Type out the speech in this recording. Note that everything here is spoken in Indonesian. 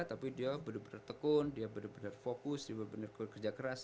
tapi dia benar benar tekun dia benar benar fokus dia benar benar bekerja keras